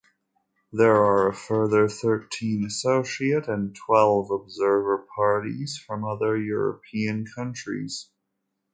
There are a further thirteen associate and twelve observer parties from other European countries.